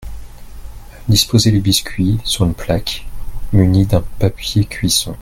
Disposez les biscuits sur une plaque munie d’un papier cuisson.